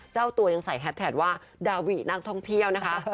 เจ้าตัวยังใส่แฮดแท็กว่าดาวินักท่องเที่ยวนะคะ